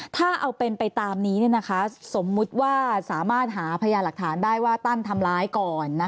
ถ้าเอาเป็นไปตามนี้สมมุติว่าสามารถหาพยาหลักฐานได้ว่าตั้นทำร้ายก่อน